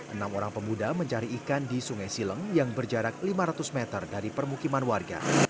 enam orang pemuda mencari ikan di sungai sileng yang berjarak lima ratus meter dari permukiman warga